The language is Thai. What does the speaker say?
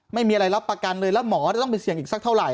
ไม่มีอะไรรับประกันเลยแล้วหมอจะต้องไปเสี่ยงอีกสักเท่าไห